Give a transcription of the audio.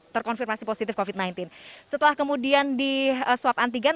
terkonfirmasi positif covid sembilan belas setelah kemudian di swab antigen